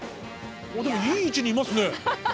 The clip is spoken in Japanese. でもいい位置にいますね。